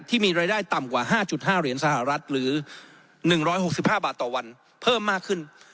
ที่มีรายได้ต่ำกว่า๕๕เหรียญสหรัฐหรือ๑๖๕บาทต่อวันเพิ่มมากขึ้น